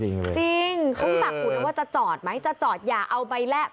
จริงเขาสั่งคุณว่าจะจอดไหมจะจอดอย่าเอาไปแลก